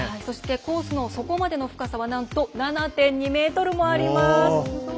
そして、コースの底までの深さはなんと７．２ｍもあります。